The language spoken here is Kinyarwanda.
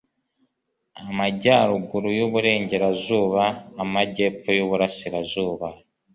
amajyaruguru y'uburengerazuba, amajyepfo y'uburasirazuba